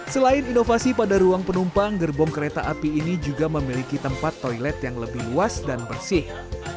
selain inovasi pada ruang penumpang gerbong kereta api ini juga memiliki tempat toilet yang lebih luas dan bersih